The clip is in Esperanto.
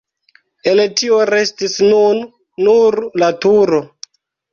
El tio restis nun nur la turo.